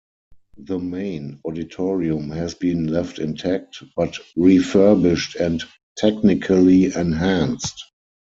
The main auditorium has been left intact, but refurbished and technically enhanced.